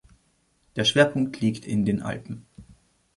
Der Schwerpunkt liegt in den Alpen.